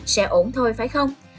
sẽ ổn thôi phải không